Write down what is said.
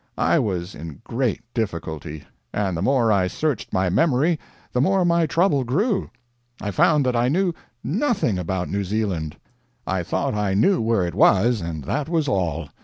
I was in great difficulty; and the more I searched my memory, the more my trouble grew. I found that I knew nothing about New Zealand. I thought I knew where it was, and that was all.